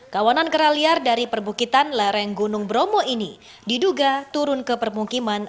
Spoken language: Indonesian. kawanan kera liar dari perbukitan lereng gunung bromo ini diduga turun ke permukiman